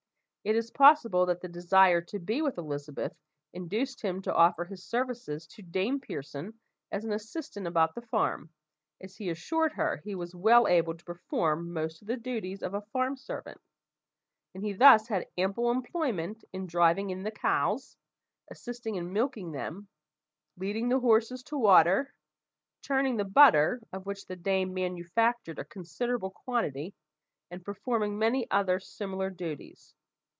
It is possible that the desire to be with Elizabeth induced him to offer his services to Dame Pearson as an assistant about the farm, as he assured her he was well able to perform most of the duties of a farm servant; and he thus had ample employment in driving in the cows, assisting in milking them, leading the horses to water, churning the butter, of which the dame manufactured a considerable quantity, and performing many other similar duties.